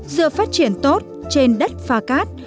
dừa phát triển tốt trên đất pha cát